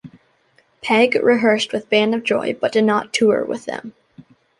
Pegg rehearsed with Band of Joy but did not tour with them.